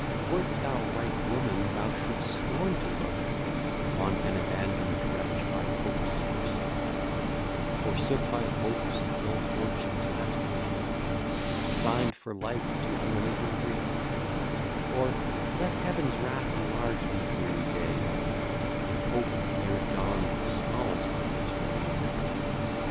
Wert thou right woman, thou should'st scorn to look On an abandon'd wretch by hopes forsook; Forsook by hopes, ill fortune's last relief, Assign'd for life to unremitting grief; For, let Heaven's wrath enlarge these weary days, If hope e'er dawns the smallest of its rays.